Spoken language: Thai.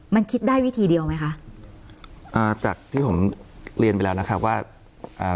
มันคิดได้วิธีเดียวไหมคะอ่าจากที่ผมเรียนไปแล้วนะครับว่าอ่า